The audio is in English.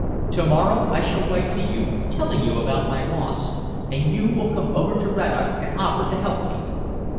To morrow I shall write to you telling you about my loss, and you will come over to Rannoch and offer to help me."